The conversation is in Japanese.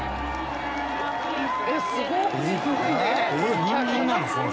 「えっすごっ！」